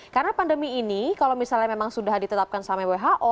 karena pandemi ini kalau misalnya memang sudah ditetapkan sama who